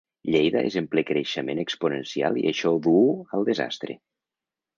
Lleida és en ple creixement exponencial i això duu al desastre